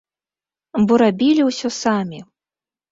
Бо рабілі ўсё самі.